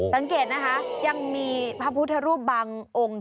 สังเกตนะคะยังมีพระพุทธรูปบางองค์